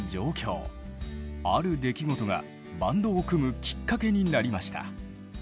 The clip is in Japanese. ある出来事がバンドを組むきっかけになりました。